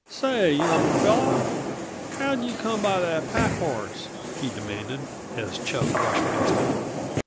"Say, young fellow, how'd you come by that packhorse?" he demanded, as Chub brushed past him.